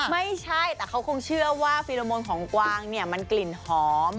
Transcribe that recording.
ไม่ใช่แต่เขาคงเชื่อว่าฟิลโมนของกวางเนี่ยมันกลิ่นหอม